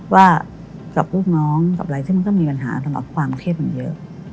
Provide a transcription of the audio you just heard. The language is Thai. ว่ากับลูกน้องกับอะไรซึ่งมันก็มีปัญหาสำหรับความเครียดมันเยอะ